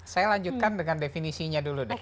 saya lanjutkan dengan definisinya dulu deh